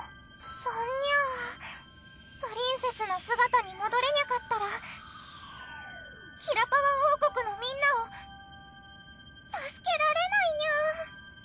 そんニャプリンセスの姿に戻れニャかったらキラパワ王国のみんなを助けられないニャ。